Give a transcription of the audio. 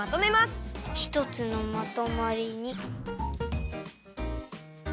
ひとつのまとまりに。